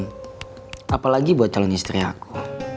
dan apalagi buat calon istrinya aku